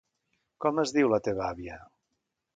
Com es diu la teva àvia?